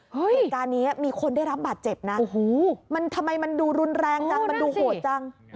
เหตุการณ์นี้มีคนได้รับบาดเจ็บนะโอ้โหมันทำไมมันดูรุนแรงจังมันดูโหดจัง